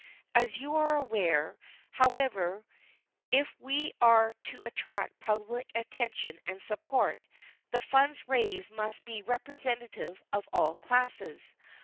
As you are aware, however, if we are to attract public attention and support, the funds raised must be representative of all classes.